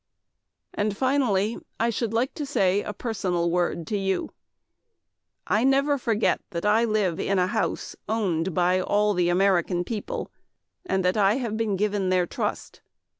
And finally I should like to say a personal word to you. I never forget that I live in a house owned by all the American people and that I have been given their trust.